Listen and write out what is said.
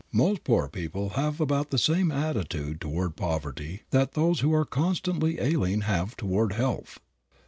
Most poor people have about the same attitude toward poverty that those who are constantly ailing have toward health.